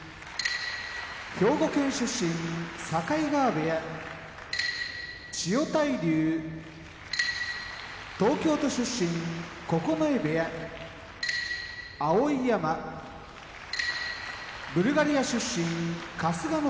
兵庫県出身境川部屋千代大龍東京都出身九重部屋碧山ブルガリア出身春日野部屋